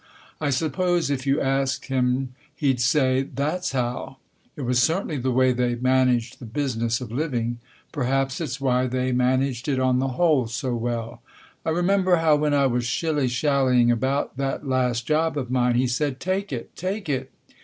I suppose if you asked him he'd say, " That's how." It was certainly the way they managed the business of living. Perhaps it's why they managed it on the whole so well. I remember how when I was shilly shallying about that last job of mine he said, " Take it. Take it.